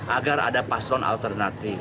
agar ada pasangan yang menekankan pks